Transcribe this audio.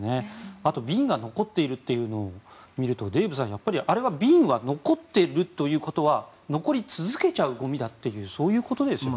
あと瓶が残っているというのを見ると、デーブさんあれは瓶が残っているということは残り続けちゃうゴミだというそういうことですよね。